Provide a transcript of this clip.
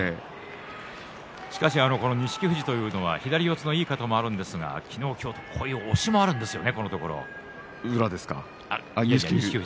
しかし、この錦富士というのは左四つのいい型もあるんですが昨日今日と押しもあるんですよね。